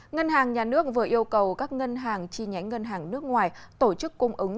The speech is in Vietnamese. ngân hàng nhà nước vừa yêu cầu các ngân hàng chi nhánh ngân hàng nước ngoài tổ chức cung ứng